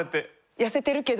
痩せてるけど。